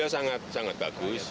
oh dia sangat bagus